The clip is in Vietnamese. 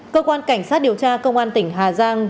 cơ quan cảnh sát điều tra công an tỉnh hà giang